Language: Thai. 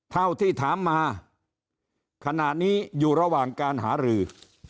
เท่าที่ถามมาขณะนี้อยู่ระหว่างการหารือ